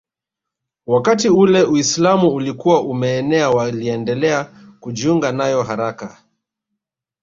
Wakati ule Uislamu ulikuwa umeenea waliendelea kujiunga nayo haraka